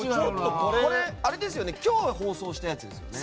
今日放送したやつですよね。